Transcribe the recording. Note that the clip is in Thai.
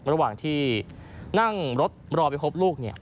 ระหว่างที่นั่งรถรอไปพบลูก